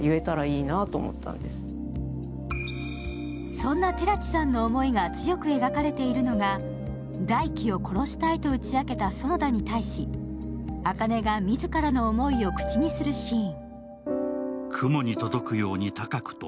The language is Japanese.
そんな寺地さんの思いが強く描かれているのが、大樹を殺したいと打ち明けた園田に対し、朱音が自らの思いを口にするシーン。